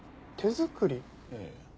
ええ。